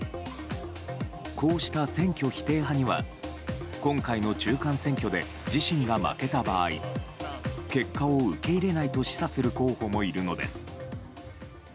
こうした選挙否定派には今回の中間選挙で自身が負けた場合結果を受け入れないと示唆する候補もいるのです。